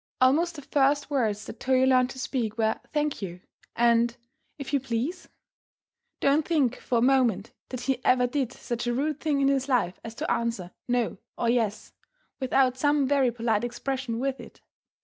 Almost the first words that Toyo learned to speak were, "Thank you," and "If you please." Don't think for a moment that he ever did such a rude thing in his life as to answer "no" or "yes" without some very polite expression with it.